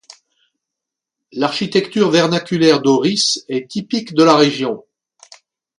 L'architecture vernaculaire d'Auris est typique de la région.